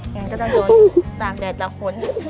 ก็ต้องโดนต่างแดดต่างคน